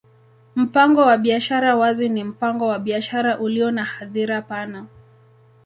Mpango wa biashara wazi ni mpango wa biashara ulio na hadhira pana.